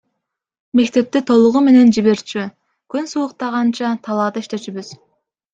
Мектепти толугу менен жиберчү, күн сууктаганча талаада иштечүбүз.